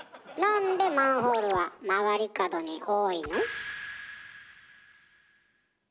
なんでマンホールは曲がり角に多いの？